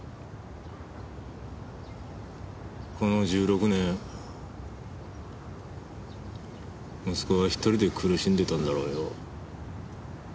この１６年息子は１人で苦しんでたんだろうよ。